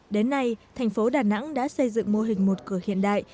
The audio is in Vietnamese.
đến nay thành phố đà nẵng đã xây dựng mô hình một cửa hiện đại